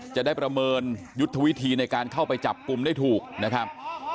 จะได้ประเมินยุทธวิธีในการเข้าไปจับกลุ่มได้ถูกนะครับ